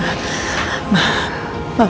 buat mukul maling tadi